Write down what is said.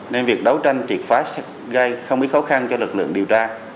nên việc đấu tranh triệt phá sẽ gây không biết khó khăn cho lực lượng điều tra